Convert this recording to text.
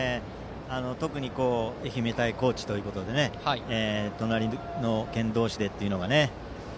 特に愛媛対高知ということで隣の県同士でというのがね。